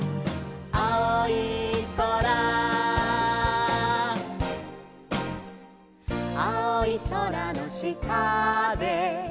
「あおいそら」「あおいそらのしたで」